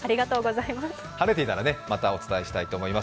晴れていたらまたお伝えしたいと思います。